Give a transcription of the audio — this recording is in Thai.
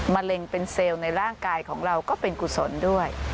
มะเร็งเป็นเซลล์ในร่างกายของเราก็เป็นกุศลด้วย